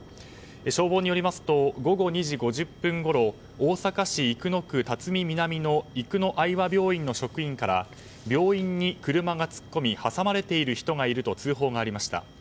消防によりますと午後２時５０分ごろ大阪市生野区巽南生野愛和病院の職員から病院に車が突っ込み挟まれている人がいると通報がありました。